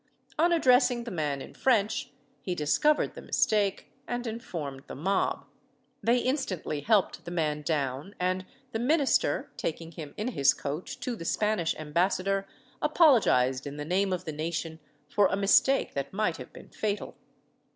On addressing the man in French he discovered the mistake, and informed the mob. They instantly helped the man down, and the minister, taking him in his coach to the Spanish ambassador, apologised in the name of the nation for a mistake that might have been fatal.